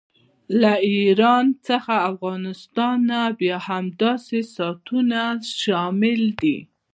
له ایران څخه افغانستان او بیا همداسې ستانونه شامل دي.